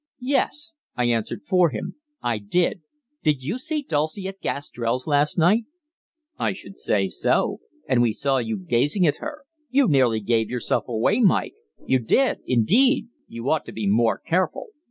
"Yes," I answered for him, "I did. Did you see Dulcie at Gastrell's last night?" "I should say so and we saw you gazing at her. You nearly gave yourself away, Mike; you did, indeed. You ought to be more careful.